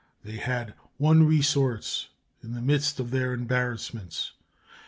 They had one resource in the midst of their embarrassments.